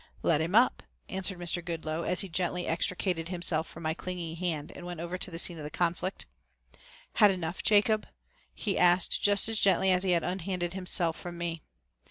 "Let him up," answered Mr. Goodloe, as he gently extricated himself from my clinging hand and went over to the scene of the conflict. "Had enough, Jacob?" he asked just as gently as he had unhanded himself from me.